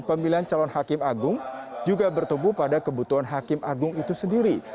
pemilihan calon hakim agung juga bertubuh pada kebutuhan hakim agung itu sendiri